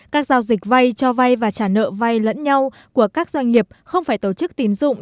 các giao dịch vay cho vay và trả nợ vay lẫn nhau của các doanh nghiệp không phải tổ chức tín dụng